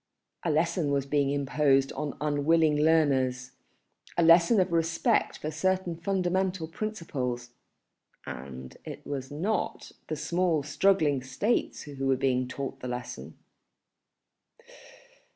A lesson was being imposed on unwilling learners, a lesson of respect for certain fundamental principles, and it was not the small struggling States who were being taught the lesson.